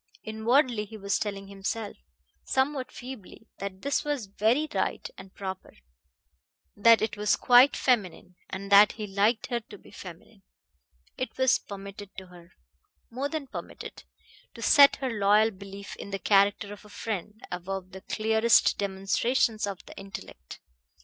Inwardly he was telling himself, somewhat feebly, that this was very right and proper; that it was quite feminine, and that he liked her to be feminine. It was permitted to her more than permitted to set her loyal belief in the character of a friend above the clearest demonstrations of the intellect.